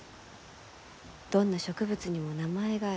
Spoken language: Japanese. どんな植物にも名前がある。